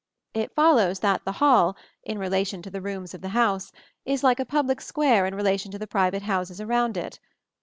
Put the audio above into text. It follows that the hall, in relation to the rooms of the house, is like a public square in relation to the private houses around it.